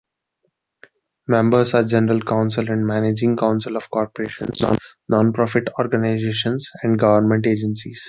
Members are general counsel and managing counsel of corporations, non-profit organizations and government agencies.